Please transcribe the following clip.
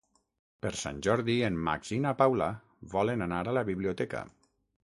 Per Sant Jordi en Max i na Paula volen anar a la biblioteca.